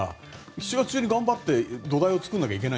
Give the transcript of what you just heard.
７月中に頑張って土台を作らないと。